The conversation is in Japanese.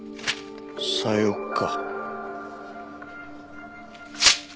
さよか。